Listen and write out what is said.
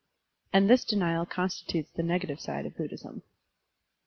And this denial constitutes the negative side of Buddhism.